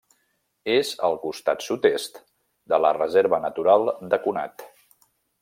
És al costat sud-est de la Reserva Natural de Conat.